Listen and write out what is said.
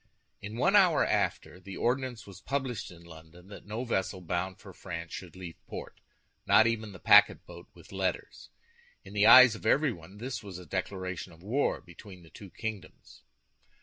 In one hour after, the ordinance was published in London that no vessel bound for France should leave port, not even the packet boat with letters. In the eyes of everybody this was a declaration of war between the two kingdoms.